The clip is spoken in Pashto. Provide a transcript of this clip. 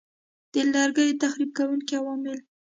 د لرګیو تخریب کوونکي عوامل